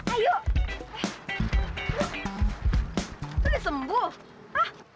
eh lo lo disembuh hah